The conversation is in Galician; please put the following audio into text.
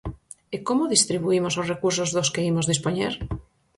¿E como distribuímos os recursos dos que imos dispoñer?